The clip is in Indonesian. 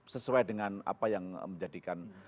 sesuai dengan apa yang menjadikan